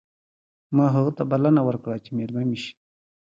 ما هغه ته بلنه ورکړه چې مېلمه مې شي